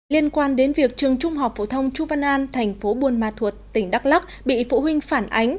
liên quan đến việc trường trung học phổ thông chu văn an thành phố buôn ma thuột tỉnh đắk lắc bị phụ huynh phản ánh